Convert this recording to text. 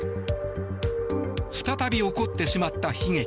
再び起こってしまった悲劇。